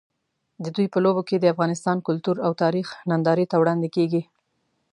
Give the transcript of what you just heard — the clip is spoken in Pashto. د دوی په لوبو کې د افغانستان کلتور او تاریخ نندارې ته وړاندې کېږي.